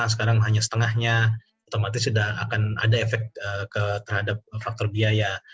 sekarang hanya setengahnya otomatis sudah akan ada efek terhadap faktor biaya